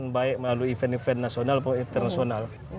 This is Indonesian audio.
baik melalui event event nasional maupun internasional